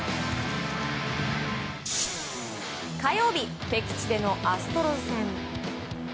火曜日、敵地でのアストロズ戦。